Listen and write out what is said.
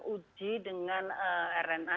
uji dengan rna